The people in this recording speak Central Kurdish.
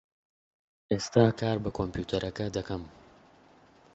ئێستا کار بە کۆمپیوتەرەکە دەکەم.